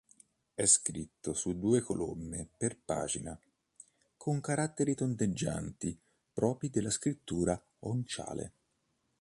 È scritto su due colonne per pagina, con caratteri tondeggianti propri della scrittura onciale.